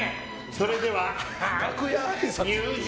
それでは入場。